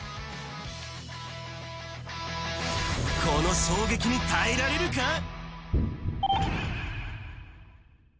この衝撃に耐えられるか？